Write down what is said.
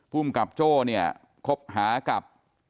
ภูมิกับโจ้เนี่ยคบหากับ